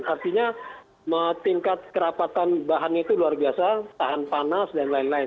artinya tingkat kerapatan bahannya itu luar biasa tahan panas dan lain lain